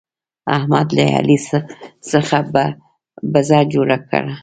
احمد له علي څخه بزه جوړه کړه.